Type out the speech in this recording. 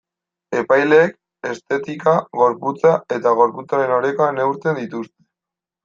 Epaileek estetika, gorputza eta gorputzaren oreka neurtzen dituzte.